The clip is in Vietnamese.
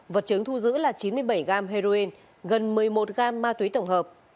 vật chứng thu giữ là chín mươi bảy gram heroin gần một mươi một gram ma túy tổng hợp